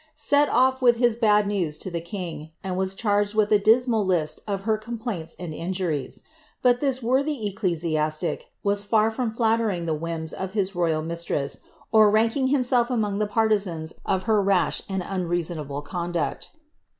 ^ set off with this bad news lo the l .r.'. and was charged with a dismal list of her complaints and injur.f;: btit this worthy ecclesiaslic was far from llallering the whims of h.; royal mistress, or ranking himself among the partisaus of her rash ar.J uiirfasonable conduct.